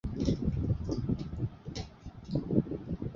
স্মৃতি জন্মগ্রহণ করেন দিল্লীতে।